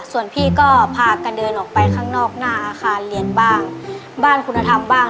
ส่วนพี่ก็พากันเดินออกไปข้างนอกหน้าอาคารเรียนบ้างบ้านคุณธรรมบ้าง